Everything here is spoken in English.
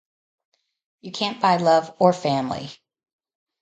You can't buy love or family.